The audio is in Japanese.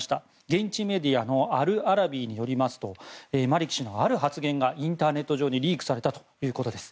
現地メディアのアル・アラビーによりますとマリキ氏のある発言がインターネット上にリークされたということです。